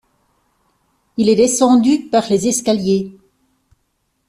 Il est descendu par les escaliers.